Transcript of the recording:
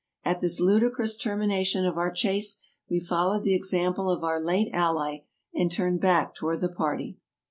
At this ludicrous termination of our chase we followed the example of our late ally, and turned back toward the party.